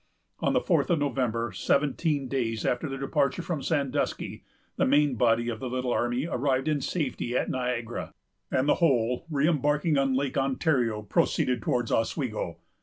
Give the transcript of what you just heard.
On the fourth of November, seventeen days after their departure from Sandusky, the main body of the little army arrived in safety at Niagara; and the whole, re embarking on Lake Ontario, proceeded towards Oswego.